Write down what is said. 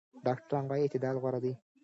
ډاکټران وايي اعتدال غوره دی.